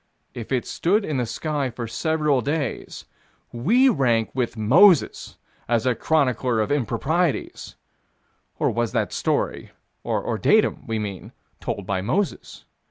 If it stood in the sky for several days, we rank with Moses as a chronicler of improprieties or was that story, or datum, we mean, told by Moses?